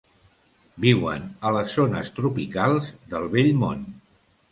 Viuen a les zones tropicals del Vell Món.